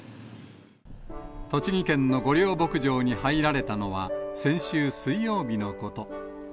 栃木県の御料牧場に入られたのは、先週水曜日のこと。